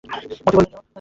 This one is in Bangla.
মতি বলিল, নিও।